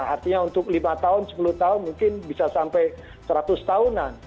artinya untuk lima tahun sepuluh tahun mungkin bisa sampai seratus tahunan